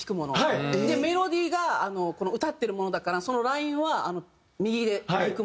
メロディーが歌ってるものだからそのラインは右で弾くもの。